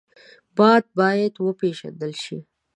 باد باید وپېژندل شي